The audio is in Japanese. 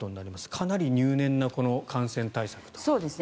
かなり入念な感染対策ですね。